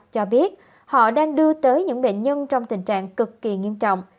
cho biết họ đang đưa tới những bệnh nhân trong tình trạng cực kỳ nghiêm trọng